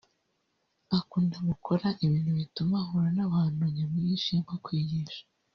akunda gukora ibintu bituma ahura n’abantu nyamwinshi nko kwigisha